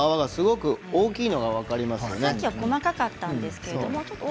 さっきのは細かかったんですけれど。